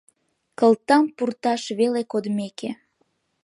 Кылтам пурташ веле кодмеке